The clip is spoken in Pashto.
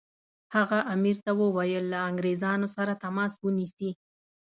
هغه امیر ته وویل له انګریزانو سره تماس ونیسي.